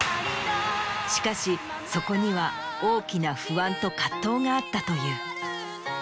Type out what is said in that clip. しかしそこには大きな不安と葛藤があったという。